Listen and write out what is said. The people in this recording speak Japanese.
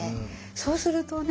そうするとね